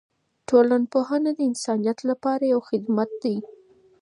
ټولنپوهنه د انسانیت لپاره یو خدمت دی.